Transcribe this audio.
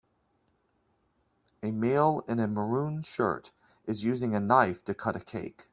A male in a maroon shirt is using a knife to cut a cake.